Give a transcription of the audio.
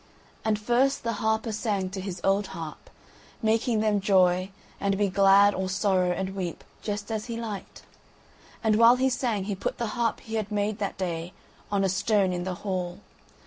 And first the harper sang to his old harp, making them joy and be glad or sorrow and weep just as he liked. But while he sang he put the harp he had made that day on a stone in the hall.